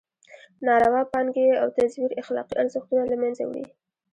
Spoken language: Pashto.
ناروا پانګې او تزویر اخلاقي ارزښتونه له مېنځه وړي.